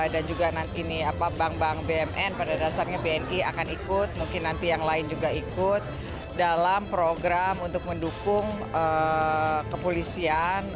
dan juga nanti bank bank bumn pada dasarnya bni akan ikut mungkin nanti yang lain juga ikut dalam program untuk mendukung kepolisian